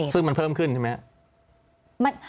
ซึ่งมันเพิ่มขึ้นใช่ไหมครับ